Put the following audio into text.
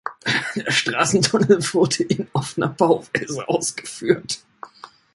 Der Straßentunnel wurde in offener Bauweise ausgeführt.